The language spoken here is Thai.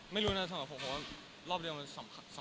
ไม่รู้น่าจะสำคัญผมว่ารอบเดียวมันสำคัญกว่า